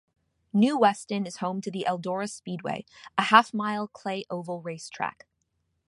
New Weston is home to the Eldora Speedway, a half-mile clay oval race track.